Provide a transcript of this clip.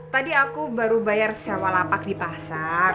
tadi aku baru bayar sewa lapak di pasar